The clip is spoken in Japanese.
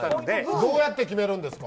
どうやって決めるんですか。